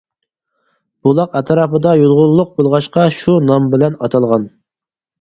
بۇلاق ئەتراپىدا يۇلغۇنلۇق بولغاچقا شۇ نام بىلەن ئاتالغان.